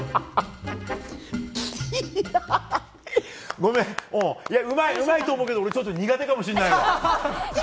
ごめん、うまいと思うけどちょっと苦手かもしれない。